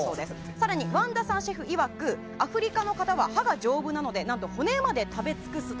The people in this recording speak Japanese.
更に、ワンダサンシェフいわくアフリカの方は歯が丈夫なので何と骨まで食べ尽くすと。